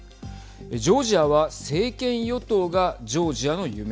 ジョージアは政権与党がジョージアの夢。